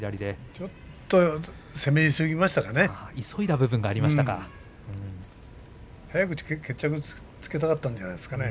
ちょっと攻め急ぎましたかね。